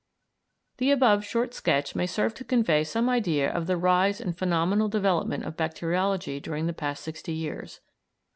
The above short sketch may serve to convey some idea of the rise and phenomenal development of bacteriology during the past sixty years.